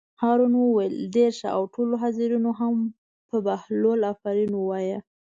هارون وویل: ډېر ښه او ټولو حاضرینو هم په بهلول آفرین ووایه.